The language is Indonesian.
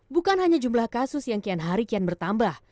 bukan hanya jumlah kasus yang kian hari kian bertambah